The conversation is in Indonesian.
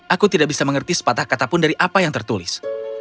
aku tidak bisa mengerti sepatah kata pun dari apa yang tertulis